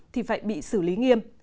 thì phải bị xử lý nghiêm